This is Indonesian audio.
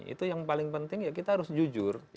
itu yang paling penting ya kita harus jujur